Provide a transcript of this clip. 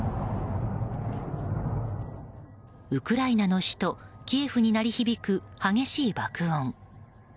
ウクライナの首都キエフに鳴り響く激しい爆音。